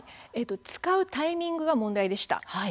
使うタイミングが問題でした。